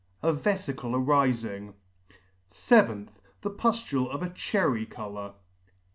A veficle arifing. yth. The puflule of a cherry colour.